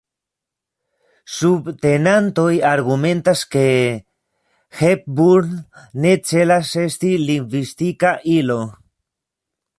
Subtenantoj argumentas ke Hepburn ne celas esti lingvistika ilo.